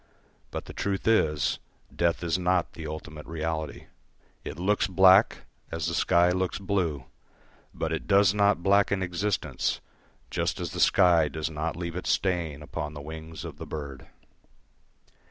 But the truth is, death is not the ultimate reality. It looks black, as the sky looks blue; but it does not blacken existence, just as the sky does not leave its stain upon the wings of the bird.